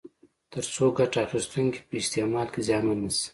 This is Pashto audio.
ترڅو ګټه اخیستونکي په استعمال کې زیانمن نه شي.